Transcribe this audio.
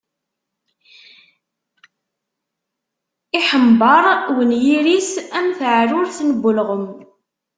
Iḥember unyir-is am taɛrurt n ulɣem.